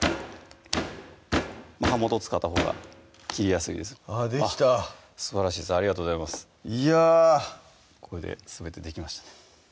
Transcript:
刃元を使ったほうが切りやすいですあっできたすばらしいありがとうございますいやこれですべてできました